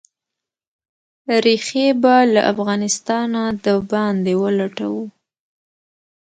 ریښې به «له افغانستانه د باندې ولټوو».